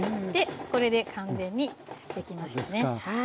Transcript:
でこれで完全にできましたね。